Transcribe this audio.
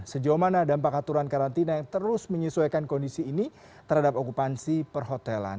sejauh mana dampak aturan karantina yang terus menyesuaikan kondisi ini terhadap okupansi perhotelan